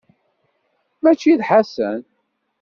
Maci d Ḥasan.